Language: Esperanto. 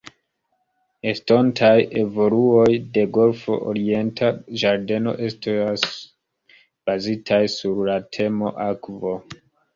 Estontaj evoluoj de Golfo Orienta Ĝardeno estos bazitaj sur la temo 'akvo'.